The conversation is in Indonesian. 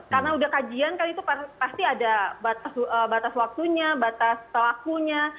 karena udah kajian kan itu pasti ada batas waktunya batas waktunya